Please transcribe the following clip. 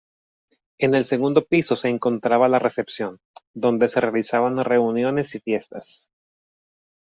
En el segundo piso se encontraba la recepción, donde se realizaban reuniones y fiestas.